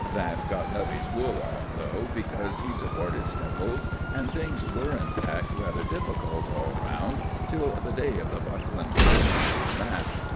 That got Nubby's wool off though, because he supported Steggles, and things were, in fact, rather difficult all round till the day of the Buckland Grammar School match.